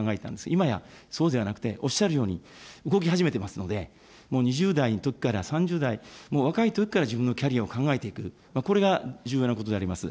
今やそうではなくて、おっしゃるように、動き始めてますので、もう２０代のときから３０代、もう若いときから自分のキャリアを考えていく、これが重要なことであります。